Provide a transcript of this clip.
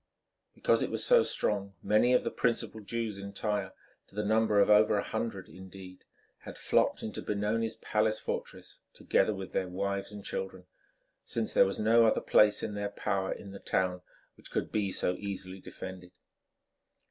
Because it was so strong many of the principal Jews in Tyre, to the number of over a hundred indeed, had flocked into Benoni's palace fortress, together with their wives and children, since there was no other place in their power in the town which could be so easily defended.